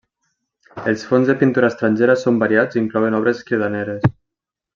Els fons de pintura estrangera són variats i inclouen obres cridaneres.